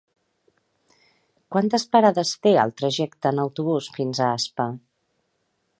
Quantes parades té el trajecte en autobús fins a Aspa?